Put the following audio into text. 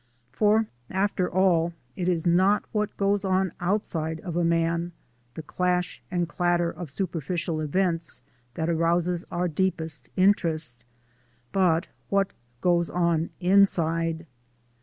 For, after all, it is not what goes on outside of a man, the clash and clatter of superficial events, that arouses our deepest interest, but what goes on inside.